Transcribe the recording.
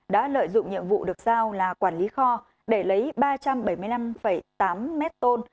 đã lợi dụng nhiệm vụ được giao là quản lý kho để lấy ba trăm bảy mươi năm tám mét tôn